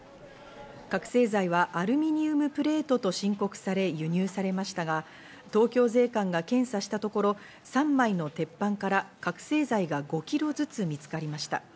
覚せい剤はアルミニウムプレートと申告され輸入されましたが東京税関が検査したところ、３枚の鉄板から覚醒剤が５ｋｇずつ見つかりました。